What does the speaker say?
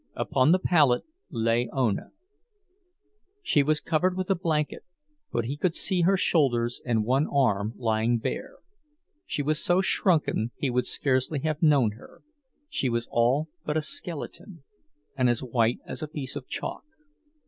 Upon the pallet lay Ona. She was covered with a blanket, but he could see her shoulders and one arm lying bare; she was so shrunken he would scarcely have known her—she was all but a skeleton, and as white as a piece of chalk.